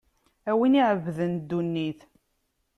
A win iɛebbden ddunit.